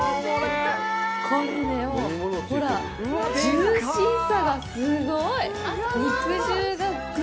これね、ほらジューシーさがすごい！